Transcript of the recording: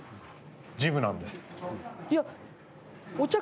ジムなんです。